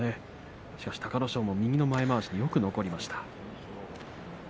隆の勝、右の前まわしでよく残りました。